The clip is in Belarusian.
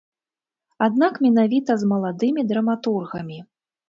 Аднак менавіта з маладымі драматургамі.